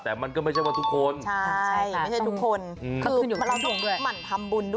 แต่มันก็ไม่ใช่ว่าทุกคน